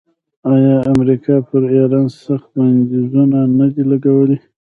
آیا امریکا پر ایران سخت بندیزونه نه دي لګولي؟